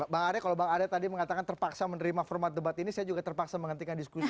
bang arya kalau bang arya tadi mengatakan terpaksa menerima format debat ini saya juga terpaksa menghentikan diskusi